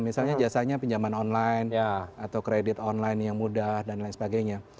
misalnya jasanya pinjaman online atau kredit online yang mudah dan lain sebagainya